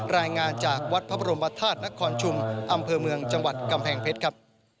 รายงานจากวัดพระบรมธาตุนครชุมอำเภอเมืองจังหวัดกำแพงเพชรครับ